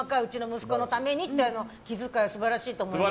息子のためにって気遣いが素晴らしいと思います。